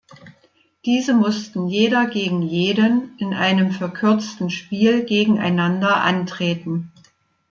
Diese mussten „jeder gegen jeden“ in einem verkürzten Spiel gegeneinander antreten.